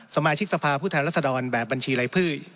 สมาชิกรัฐสภาผู้แทนรัศดรแบบบัญชีไร่พืช